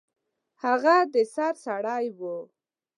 هغه د سر سړی و.